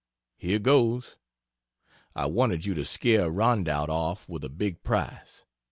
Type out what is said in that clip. Here goes! I wanted you to scare Rondout off with a big price.